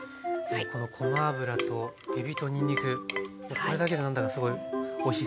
このごま油とえびとにんにくこれだけで何だかすごいおいしそう。